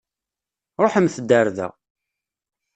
Ṛuḥemt-d ar da.